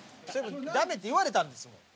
ダメって言われたんですもん。